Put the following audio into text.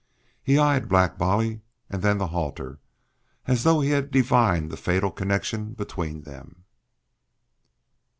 He eyed Black Bolly and then the halter, as though he had divined the fatal connection between them.